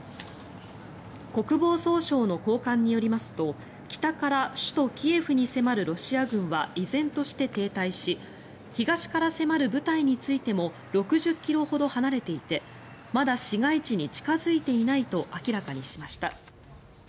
国防総省の高官によりますと北から首都キエフに迫るロシア軍は依然として停滞し東から迫る部隊についても６０ｋｍほど離れていてまだ市街地に近付いていないと明らかにしました。